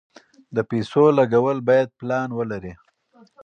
د پیسو لګول باید پلان ولري.